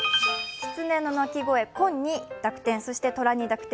きつねの鳴き声コンに濁点、そして虎に濁点。